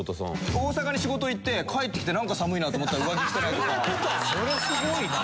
大阪に仕事行って帰ってきてなんか寒いなと思ったら上着着てないとか。